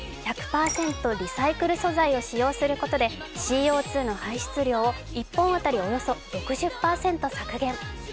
ナサイルル素材を使用することでＣＯ２の排出量を１本当たりおよそ６０％削減。